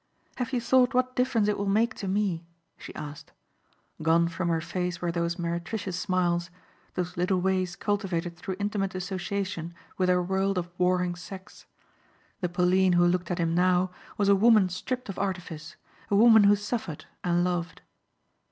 "Have you thought what difference it will make to me?" she asked. Gone from her face were those meretricious smiles, those little ways cultivated through intimate association with her world of warring sex. The Pauline who looked at him now was a woman stripped of artifice, a woman who suffered and loved.